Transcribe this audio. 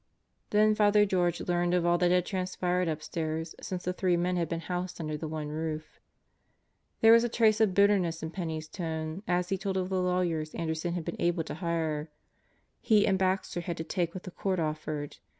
Then Father George learned of all that had transpired upstairs since the three men had been housed under the one roof. There was a trace of bitterness in Penney's tone as he told of the lawyers Anderson had been able to hire. He and Baxter had to take what the court offered.